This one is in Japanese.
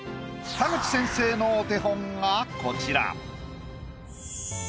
田口先生のお手本がこちら。